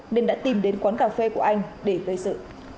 nên đã tìm đến quán cà phê của anh để gây sự